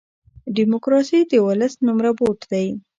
ډیموکراسي دولس نمره بوټ دی.